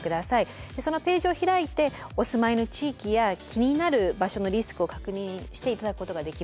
そのページを開いてお住まいの地域や気になる場所のリスクを確認して頂くことができます。